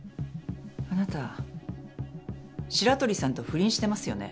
あなた白鳥さんと不倫してますよね？